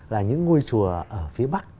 là những ngôi chùa ở phía bắc